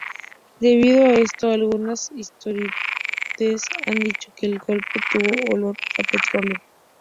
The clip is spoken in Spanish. Debido a esto, algunos historiadores han dicho que "el golpe tuvo olor a petróleo".